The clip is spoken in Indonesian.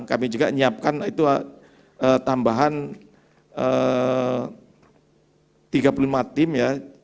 kami juga menyiapkan itu tambahan tiga puluh lima tim ya